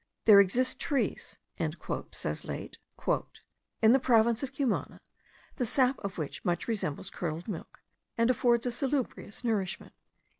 "There exist trees," says Laet,* "in the province of Cumana, the sap of which much resembles curdled milk, and affords a salubrious nourishment."